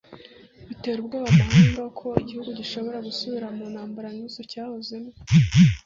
bitera ubwoba amahanga ko igihugu gishobora gusubira mu ntambara nk’izo cyahozemo